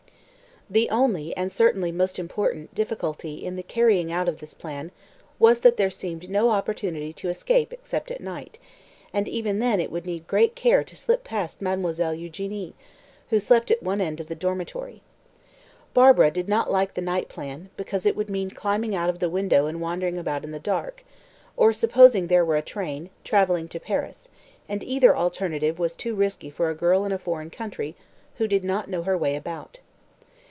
The only, and certainly most important, difficulty in the carrying out of this plan was that there seemed no opportunity to escape except at night, and even then it would need great care to slip past Mademoiselle Eugénie, who slept at one end of the dormitory. Barbara did not like the night plan, because it would mean climbing out of the window and wandering about in the dark, or supposing there were a train travelling to Paris; and either alternative was too risky for a girl in a foreign country, who did not know her way about.